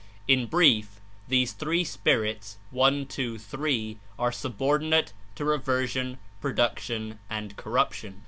In brief, these three 'spirits' (i. 2. 3.) are subordinate to reversion, production and corruption.